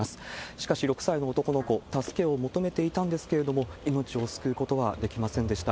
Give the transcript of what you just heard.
しかし６歳の男の子、助けを求めていたんですけれども、命を救うことはできませんでした。